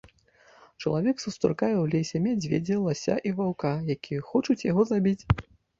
Чалавек сустракае ў лесе мядзведзя, лася і ваўка, якія хочуць яго забіць.